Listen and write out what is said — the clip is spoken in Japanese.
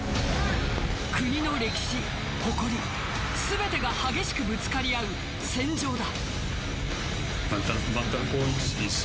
国の歴史、誇り全てが激しくぶつかり合う戦場だ。